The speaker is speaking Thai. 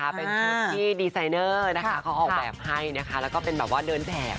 เป็นชุดที่ดีไซเนอร์นะคะเขาออกแบบให้นะคะแล้วก็เป็นแบบว่าเดินแบบ